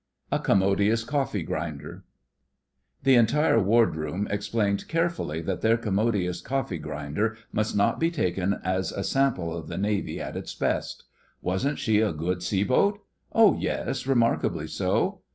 A 'COMMODIOUS COFFEE GRINDER' The entire Ward room explained carefully that their commodious coffee grinder must not be taken as a sample of the Navy at its best. Wasn't she a good sea boat? Oh, yes; remarkably so.